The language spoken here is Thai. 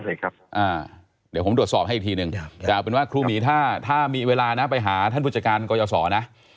เดี๋ยวผมโดรสอบให้อีกทีหนึ่งอยากให้มีเวลานะขอถามครูหมีไว้ขอไปหาท่านบุจตกกรรมกรยาสอนะ